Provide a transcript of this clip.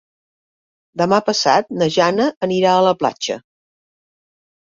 Demà passat na Jana anirà a la platja.